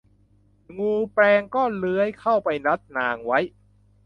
งูแปลงก็เลื้อยเข้าไปรัดนางไว้